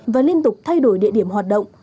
và liên tục thay đổi địa điểm hoạt động